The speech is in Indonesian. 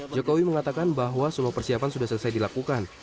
jokowi mengatakan bahwa seluruh persiapan sudah selesai dilakukan